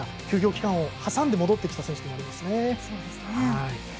休業期間を挟んで戻ってきた選手ですね。